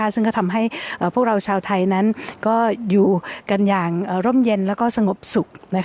ซึ่งก็ทำให้พวกเราชาวไทยนั้นก็อยู่กันอย่างร่มเย็นแล้วก็สงบสุข